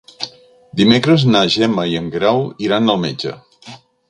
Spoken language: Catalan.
Dimecres na Gemma i en Guerau iran al metge.